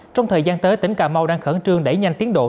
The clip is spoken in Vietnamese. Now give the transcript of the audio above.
trong thời gian tới tỉnh cà mau đang khẩn trương đẩy nhanh tiến độ